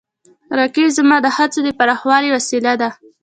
رقیب زما د هڅو د پراخولو وسیله ده